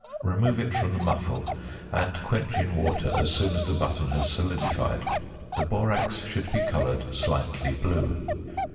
Remove it from the muffle, and quench in water as soon as the button has solidified. The borax should be coloured slightly blue.